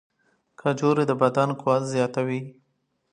کجورې د بدن قوت زیاتوي.